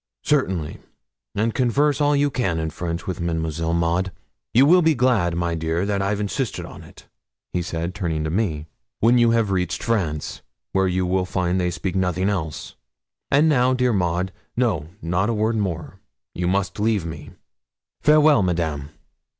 'Certainly; and converse all you can in French with Mademoiselle Maud. You will be glad, my dear, that I've insisted on it,' he said, turning to me, 'when you have reached France, where you will find they speak nothing else. And now, dear Maud no, not a word more you must leave me. Farewell, Madame!'